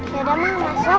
yaudah ma masuk